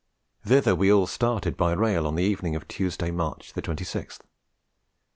Thither we all started by rail on the evening of Tuesday, March 26th.